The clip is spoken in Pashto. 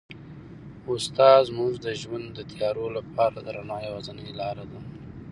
استاد زموږ د ژوند د تیارو لپاره د رڼا یوازینۍ لاره ده.